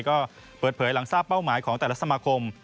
ก็เปิดเผยหลังทราบเป้าหมายของแต่ละสมาคม